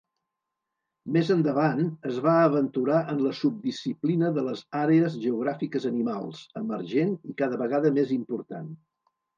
Més endavant, es va aventurar en la subdisciplina de les àrees geogràfiques animals, emergent i cada vegada més important.